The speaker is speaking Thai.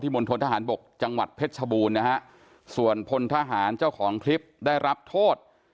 มณฑนทหารบกจังหวัดเพชรชบูรณ์นะฮะส่วนพลทหารเจ้าของคลิปได้รับโทษ